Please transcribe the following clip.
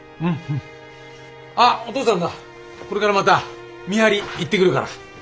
あっお父さんなこれからまた見張り行ってくるから。